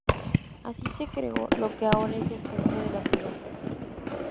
Así se creó lo que ahora es el centro de la ciudad.